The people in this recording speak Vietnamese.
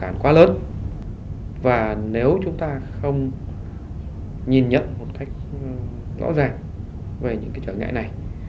rõ ràng về những trở ngại này